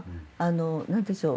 何でしょう？